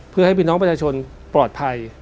เพื่อให้พี่น้องประชาชนปลอดภัย